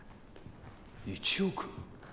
１億？